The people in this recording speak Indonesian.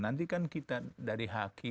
nanti kan kita dari hakim